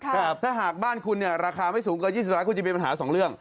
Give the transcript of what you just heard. ถ้าหากบ้านคุณเนี่ยราคาไม่สูงเกิน๒๐ล้านคุณจะมีปัญหา๒เรื่อง